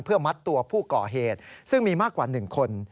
เพื่อมัดตัวผู้ก่อเหตุซึ่งมีมากกว่า๑คน